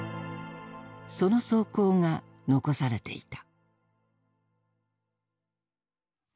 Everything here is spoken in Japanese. その草稿が遺されていた。